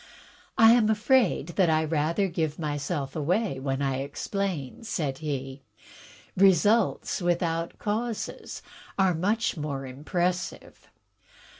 "I am afraid that I rather give myself away when I explain," said he. "Results without causes are much more impressive."